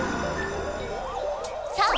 さあ！